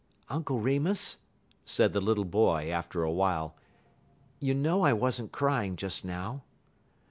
"Uncle Remus," said the little boy, after a while, "you know I wasn't crying just now."